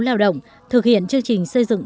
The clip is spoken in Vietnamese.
lao động thực hiện chương trình xây dựng